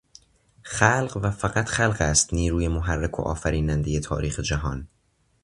خلق و فقط خلق است نیروی محرک و آفرینندهٔ تاریخ جهان.